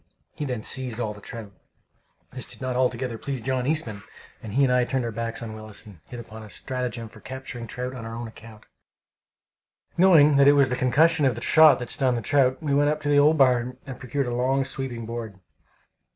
He then seized all the trout. This did not altogether please John Eastman, and he and I turned our backs on Willis, and hit upon a stratagem for capturing trout on our own account. Knowing that it was the concussion of the shot that stunned the trout, we went up to the old barn and procured a long, sweeping board.